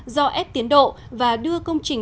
do ép tiến độ và đưa công trình